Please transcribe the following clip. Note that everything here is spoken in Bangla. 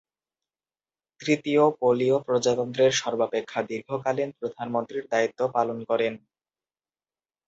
তৃতীয় পোলীয় প্রজাতন্ত্রের সর্বাপেক্ষা দীর্ঘকালীন প্রধানমন্ত্রীর দায়িত্ব পালন করেন।